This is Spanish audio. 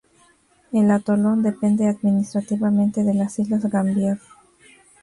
El atolón depende administrativamente de las islas Gambier.